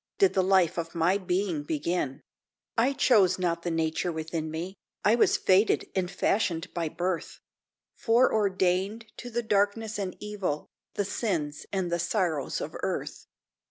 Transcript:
Did the life of my being begin. I chose not the nature within me; I was fated and fashioned by birth; Foreordained to the darkness and evil, The sins and the sorrows of earth!